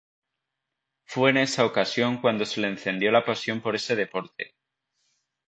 Fue en esa ocasión cuando se le encendió la pasión por ese deporte.